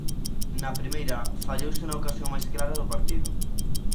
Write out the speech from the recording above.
Na primeira, fallouse na ocasión máis clara do partido.